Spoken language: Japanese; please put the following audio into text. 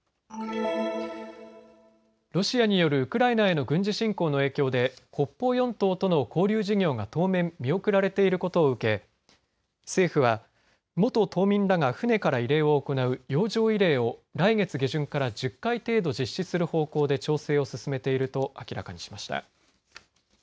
ロシアによるウクライナへの軍事侵攻の影響で北方四島との交流事業が当面、見送られていることを受け政府は元島民らが船から慰霊を行う洋上慰霊を来月下旬から１０回程度実施する方向で調整を進めていると明らかにしました。